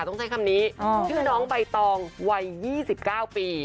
ต้องใช้คำนี้ชื่อน้องใบตองวัย๒๙ปี